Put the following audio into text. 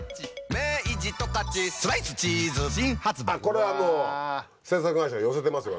これはもう制作会社が寄せてますよ